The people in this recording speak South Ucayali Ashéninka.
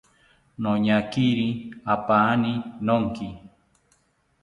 Noñakiri apaani nonki